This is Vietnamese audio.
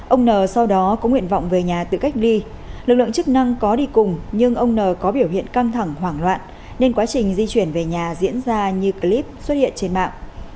ông n sau đó có nguyện vọng về nhà tự cách ly lực lượng chức năng có đi cùng nhưng ông n có biểu hiện căng thẳng hoảng loạn nên quá trình di chuyển về nhà diễn ra như clip xuất hiện trên mạng